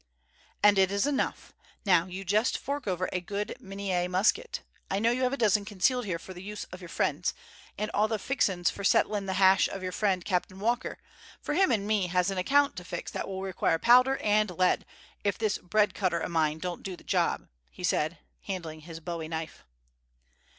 "And it is enough. Now, you just fork over a good Minié musket—I know you have a dozen concealed here for the use of your friends, and all the fixins for settlin' the hash of your friend, Captain Walker, for him and me has an account to fix what will require powder and lead, if this bread cutter of mine don't do the job," he said, handling his bowie knife.